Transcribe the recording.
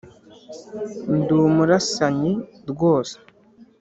Ndi umurasanyi rwose.